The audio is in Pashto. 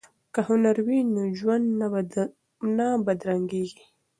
که هنر وي نو ژوند نه بدرنګیږي.